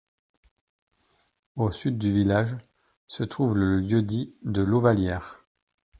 Au sud du village se trouve le lieu-dit de Lauvallières.